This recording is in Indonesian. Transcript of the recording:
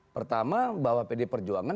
pertama bahwa pd perjuangan